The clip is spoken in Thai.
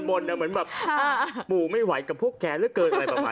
บ่นเหมือนแบบปู่ไม่ไหวกับพวกแขนเรื่อยเกินอะไรประมาณนี้